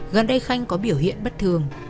gần đây khanh có biểu hiện bất thường